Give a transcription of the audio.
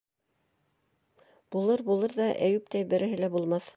Булыр, булыр ҙа - Әйүптәй береһе лә булмаҫ.